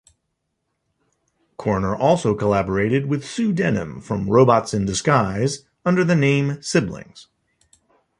Corner also collaborated with Sue Denim from Robots in Disguise, under the name "Siblings".